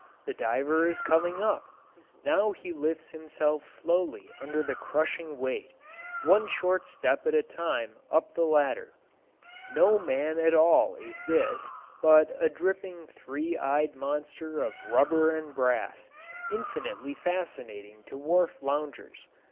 The diver is coming up. Now he lifts himself slowly under the crushing weight, one short step at a time up the ladder. No man at all is this, but a dripping three eyed monster of rubber and brass, infinitely fascinating to wharf loungers.